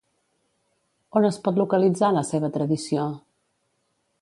On es pot localitzar la seva tradició?